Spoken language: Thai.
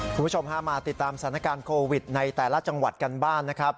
คุณผู้ชมฮะมาติดตามสถานการณ์โควิดในแต่ละจังหวัดกันบ้างนะครับ